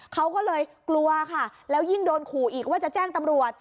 เขาก็เลยกลัวค่ะแล้วยิ่งโดนขู่อีกว่าจะแจ้งตำรวจ